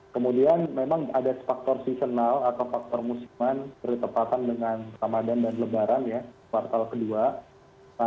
kemudian memang ada faktor seasonal atau faktor musiman bertepatan dengan ramadhan dan lebaran ya kuartal kedua